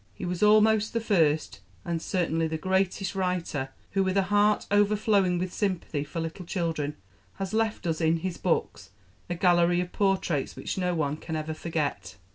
He was almost the first, and certainly the greatest, writer who, with a heart overflowing with sympathy for little children, has left us in his books a gallery of portraits which no one can ever forget.